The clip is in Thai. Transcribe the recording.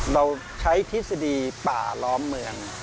เราใช้ทฤษฎีป่าล้อมเมือง